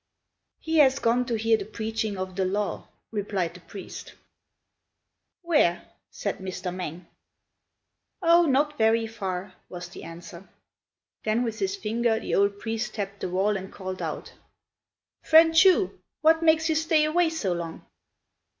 "He has gone to hear the preaching of the Law," replied the priest. "Where?" said Mr. Mêng. "Oh, not very far," was the answer. Then with his finger the old priest tapped the wall and called out, "Friend Chu! what makes you stay away so long?"